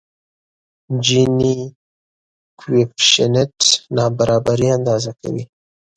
جیني کویفشینټ نابرابري اندازه کوي.